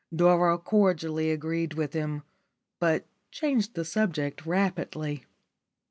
Dora cordially agreed with him, but changed the subject rapidly.